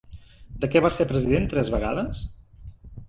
De què va ser president tres vegades?